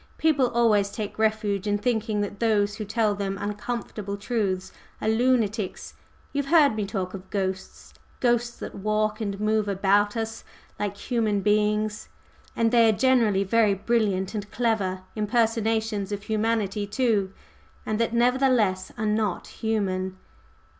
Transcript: "People always take refuge in thinking that those who tell them uncomfortable truths are lunatics. You've heard me talk of ghosts? ghosts that walk and move about us like human beings? and they are generally very brilliant and clever impersonations of humanity, too and that nevertheless are not human?"